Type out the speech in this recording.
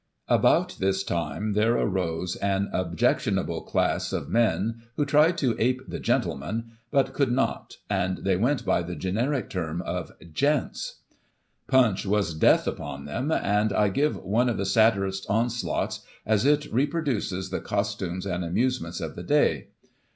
About this time there arose an objectionable class of men, who tried to ape the gentleman, but could not, and they went by the generic term of " Gents." Punch was death upon them, *and I give one of the satirist's onslaughts, as it reproduces the costumes and amusements of the day.